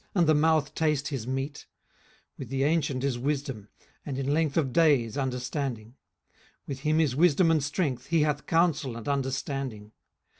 and the mouth taste his meat? 18:012:012 With the ancient is wisdom; and in length of days understanding. 18:012:013 With him is wisdom and strength, he hath counsel and understanding.